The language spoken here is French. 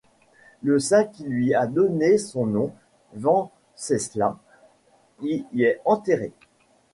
Le saint qui lui a donné son nom, Venceslas, y est enterré.